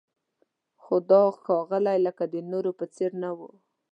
خو دا ښاغلی لکه د نورو په څېر نه و.